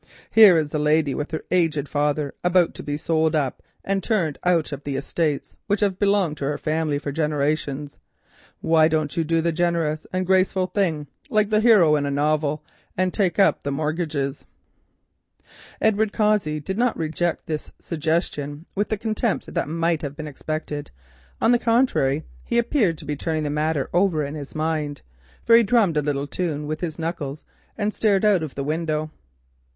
Here is the lady with her aged father about to be sold up and turned out of the estates which have belonged to her family for generations—why don't you do the generous and graceful thing, like the hero in a novel, and take up the mortgages?" Edward Cossey did not reject this suggestion with the contempt that might have been expected; on the contrary he appeared to be turning the matter over in his mind, for he drummed a little tune with his knuckles and stared out of the window.